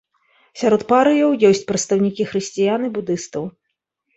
Сярод парыяў ёсць прадстаўнікі хрысціян і будыстаў.